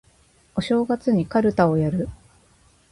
お正月にかるたをやる